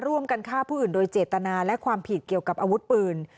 ร่วมกันฆ่าผู้อื่นโดยเจตนาและความผิดเกี่ยวกับอาวุธปืน